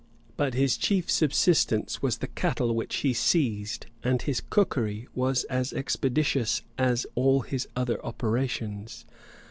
But his chief subsistence was the cattle which he seized; and his cookery was as expeditious as all his other operations.